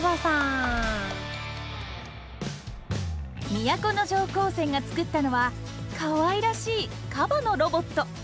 都城高専が作ったのはかわいらしいカバのロボット。